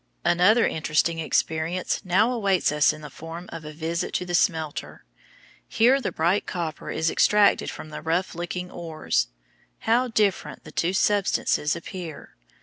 Another interesting experience now awaits us in the form of a visit to the smelter. Here the bright copper is extracted from the rough looking ores. How different the two substances appear!